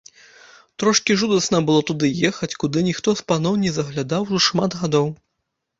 Трошкі жудасна было туды ехаць, куды ніхто з паноў не заглядаў ужо шмат гадоў.